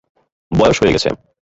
বয়স হয়ে গেছে।